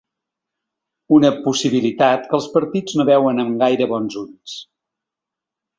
Una possibilitat que els partits no veuen amb gaire bons ulls.